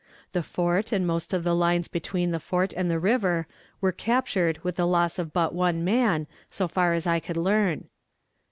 The fort and most of the lines between the fort and the river were captured with the loss of but one man, so far as I could learn.